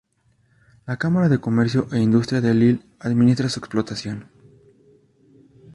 La Cámara de Comercio e Industria de Lille administra su explotación.